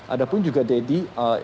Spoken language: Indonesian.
ada pun juga dedy